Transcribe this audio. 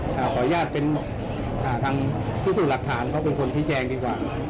ขออนุญาตเป็นทางพิสูจน์หลักฐานเขาเป็นคนชี้แจงดีกว่า